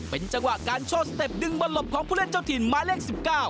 เป็นจังหวะการโชว์สเต็ปดึงบนหลบของผู้เล่นเจ้าถิ่นหมายเลข๑๙